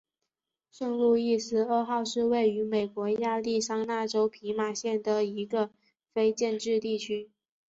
圣路易斯二号是位于美国亚利桑那州皮马县的一个非建制地区。